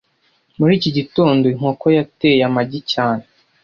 Muri iki gitondo, inkoko yateye amagi cyane